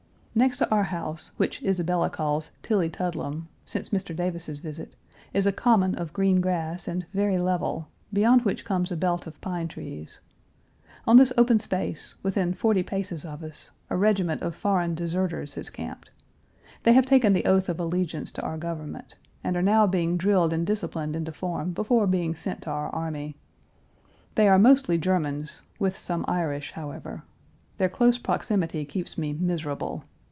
Next to our house, which Isabella calls "Tillytudlem," since Mr. Davis's visit, is a common of green grass and very level, beyond which comes a belt of pine trees. On this open space, within forty paces of us, a regiment of foreign deserters has camped. They have taken the oath of allegiance to our government, and are now being drilled and disciplined into form before being sent to our army. They are mostly Germans, with some Irish, however. Their close proximity keeps me miserable.